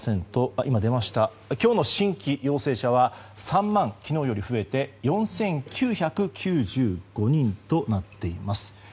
今日の新規陽性者は昨日より増えて３万４９９５人となっています。